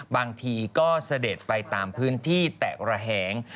บางทีก็เสด็จไปตามพื้นที่แตกระแหง